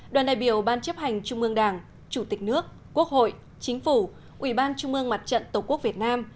đoàn đại biểu ban chấp hành trung ương đảng chủ tịch nước quốc hội chính phủ ủy ban trung mương mặt trận tổ quốc việt nam